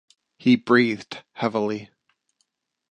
He breathed heavily.